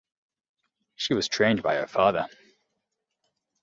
She was trained by her father.